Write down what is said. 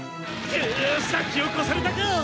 く先をこされたか！？